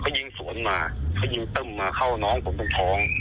เขายิงสวนมาเขายิงตึ้มมาเข้าน้องผมตรงท้อง